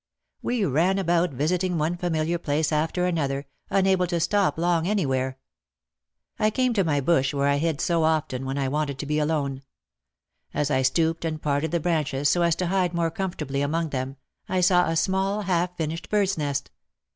We ran about visiting one familiar place after another, un able to stop long anywhere. I came to my bush where I hid so often when I wanted to be alone. As I stooped and parted the branches so as to hide more comfortably among them, I saw a small, half finished bird's nest.